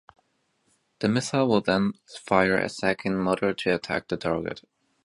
The missile will then fire a secondary motor to attack the target.